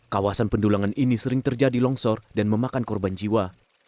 kawasan pendulangan ini sering terjadi longsor dan memakan korban jiwa